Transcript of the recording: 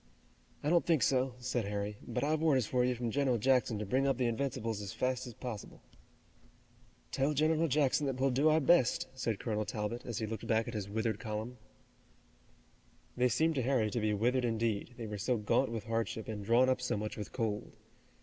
"I don't think so," said Harry, "but I've orders for you from General Jackson to bring up the Invincibles as fast as possible." "Tell General Jackson that we'll do our best," said Colonel Talbot, as he looked back at his withered column. They seemed to Harry to be withered indeed, they were so gaunt with hardship and drawn up so much with cold.